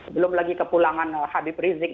belum lagi kepulangan habib rizik